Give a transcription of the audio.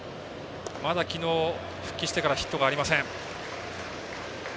まだ昨日、復帰してからヒットがありません。